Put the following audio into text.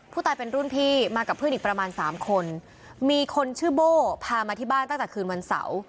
ผู้ตายเป็นรุ่นพี่มากับเพื่อนอีกประมาณสามคนมีคนชื่อโบ้พามาที่บ้านตั้งแต่คืนวันเสาร์